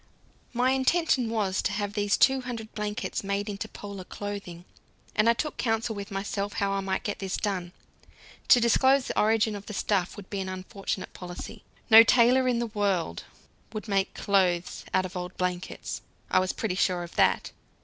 My intention was to have these two hundred blankets made into Polar clothing, and I took counsel with myself how I might get this done. To disclose the origin of the stuff would be an unfortunate policy. No tailor in the world would make clothes out of old blankets, I was pretty sure of that.